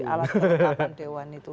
alat kawasan dewan itu